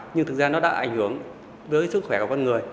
nhưng thực ra nó đã ảnh hưởng tới sức khỏe của con người